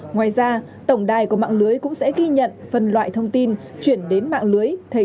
ngoài ra tổng đài của mạng lưới cũng sẽ ghi nhận phân loại thông tin chuyển đến mạng lưới